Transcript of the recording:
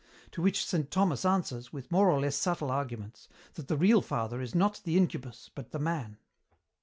To which Saint Thomas answers, with more or less subtle arguments, that the real father is not the incubus but the man."